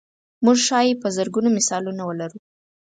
موږ ښایي په زرګونو مثالونه ولرو.